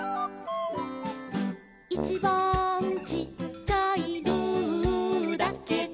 「いちばんちっちゃい」「ルーだけど」